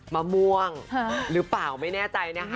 มะม่วงหรือเปล่าไม่แน่ใจนะคะ